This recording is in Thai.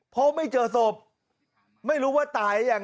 หาวหาวหาวหาวหาวหาวหาวหาว